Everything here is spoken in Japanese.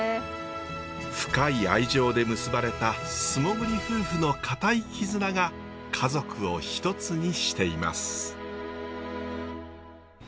深い愛情で結ばれた素潜り夫婦の固い絆が家族を一つにしています。